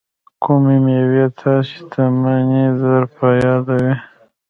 کومې میوې تاسې ته منی در په یادوي؟